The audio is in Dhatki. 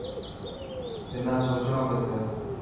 تنان سوچڻو پيسي.